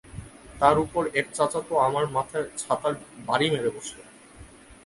তার উপর এক চাচা তো, আমার মাথায় ছাতার বাড়ি মেরে বসল।